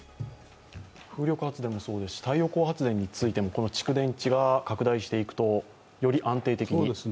風力発電もそうですし、太陽光発電についてもこの蓄電池が拡大していくとより安定的に。